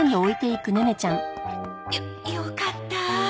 よよかったあ